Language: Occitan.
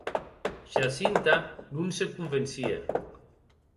Jacinta non se convencie.